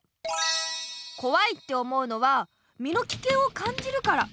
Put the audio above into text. こわいって思うのは身のきけんをかんじるから！